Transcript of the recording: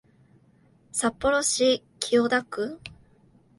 札幌市清田区